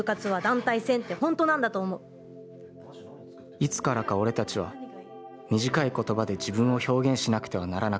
「いつからか俺たちは短い言葉で自分を表現しなくてはならなくなった。